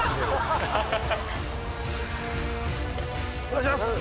お願いします。